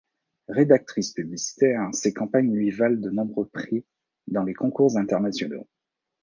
Rédactrice publicitaire, ses campagnes lui valent de nombreux prix dans les concours internationaux.